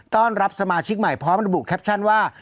ต้อนรับสมาชิกใหม่พร้อมระบุแคปชั่นว่า